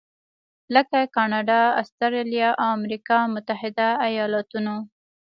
لکه کاناډا، اسټرالیا او امریکا متحده ایالتونو.